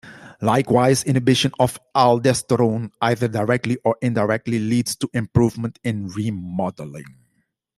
Likewise, inhibition of aldosterone, either directly or indirectly, leads to improvement in remodeling.